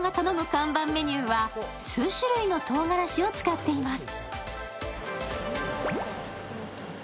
看板メニューは数種類のとうがらしを使っています。